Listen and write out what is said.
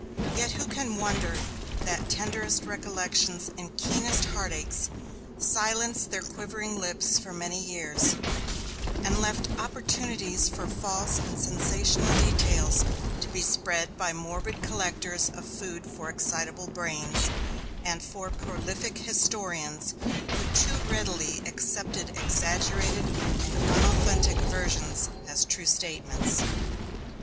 Yet who can wonder that tenderest recollections and keenest heartaches silenced their quivering lips for many years; and left opportunities for false and sensational details to be spread by morbid collectors of food for excitable brains, and for prolific historians who too readily accepted exaggerated and unauthentic versions as true statements?